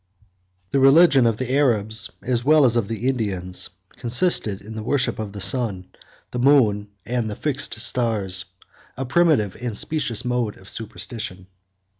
] The religion of the Arabs, 44 as well as of the Indians, consisted in the worship of the sun, the moon, and the fixed stars; a primitive and specious mode of superstition.